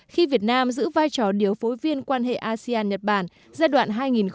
khi việt nam giữ vai trò điều phối viên quan hệ asean nhật bản giai đoạn hai nghìn một mươi tám hai nghìn hai mươi một